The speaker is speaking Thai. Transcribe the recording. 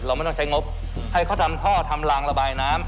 ไม่ต้องใช้งบให้เขาทำท่อทำลางระบายน้ำ